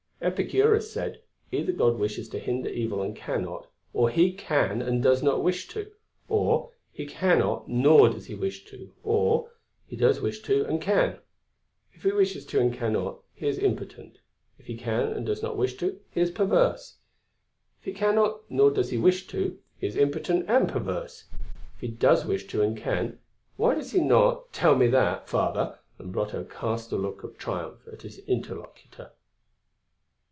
"Epicurus said: Either God wishes to hinder evil and cannot, or He can and does not wish to, or He cannot nor does he wish to, or He does wish to and can. If He wishes to and cannot, He is impotent; if He can and does not wish to, He is perverse; if He cannot nor does He wish to, He is impotent and perverse; if He does wish to and can, why does He not, tell me that, Father!" and Brotteaux cast a look of triumph at his interlocutor.